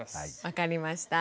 分かりました。